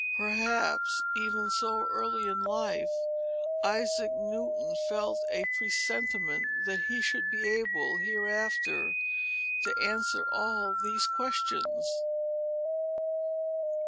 Perhaps, even so early in life, Isaac Newton felt a presentiment that he should be able, hereafter, to answer all these questions.